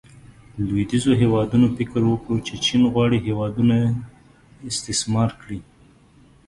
لویدیځو هیوادونو فکر وکړو چې چین غواړي هیوادونه استثمار کړي.